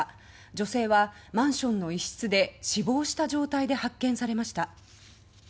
女性はマンションの一室で死亡した状態で発見されました。